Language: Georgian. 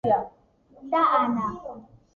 და ანა